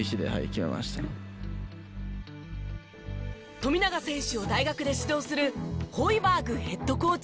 富永選手を大学で指導するホイバーグヘッドコーチ。